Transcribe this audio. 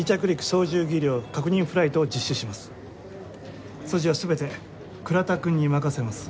操縦は全て倉田くんに任せます。